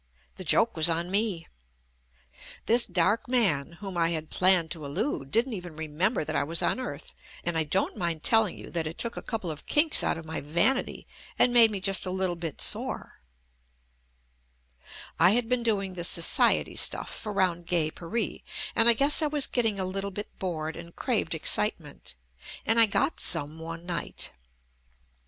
The joke was on me! This dark man, whom I had JUST ME planned to elude, didn't even remember that I was on earth, and I don't mind telling you that it took a couple of kinks out of my vanity and made me just a little bit sore* I had been doing the "society stuff' ' around Gay Paree, and I guess I was getting a little bit bored and craved excitement — and I got some one night.